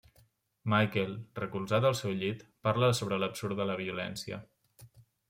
Michael, recolzat al seu llit, parla sobre l'absurd de la violència.